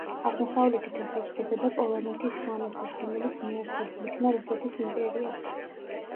აღმოსავლეთით ესაზღვრებოდა პოლონეთის სამეფოს, რომელიც მიერთებულ იქნა რუსეთის იმპერიას.